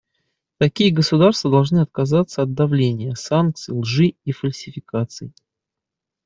Такие государства должны отказаться от давления, санкций, лжи и фальсификаций.